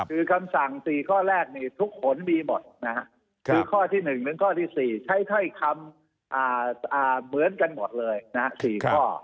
คือคำสั่งสี่ข้อแรกนี่ทุกขนมีหมดนะฮะคือข้อที่หนึ่งและข้อที่สี่ใช้ค่อยคำเหมือนกันหมดเลยนะฮะสี่ข้อ